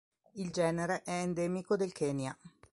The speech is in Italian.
Il genere è endemico del Kenya.